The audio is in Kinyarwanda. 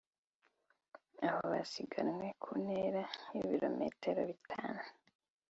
aho basiganwe ku ntera y’Ibirometero bitanu